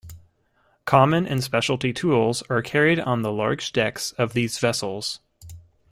Common and specialty tools are carried on the large decks of these vessels.